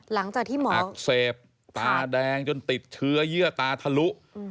หลังจากที่หมอเสพตาแดงจนติดเชื้อเยื่อตาทะลุ